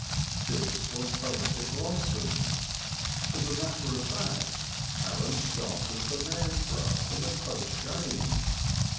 This was poetic licence; as a matter of fact, Aram started for Knaresborough in a post chaise.